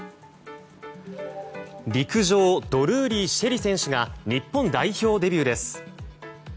陸上ドルーリー朱瑛里選手が日本代表デビューです。